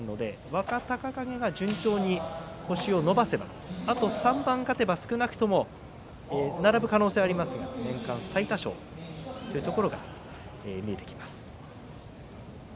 若隆景が順調に星を伸ばせばあと３番勝てば、少なくとも並ぶ可能性はありますが年間最多勝というところが見えてきます。